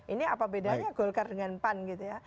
ini apa bedanya golkar dengan pan gitu ya